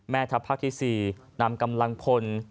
แม่ทัพภาคที่๔นำกำลังพล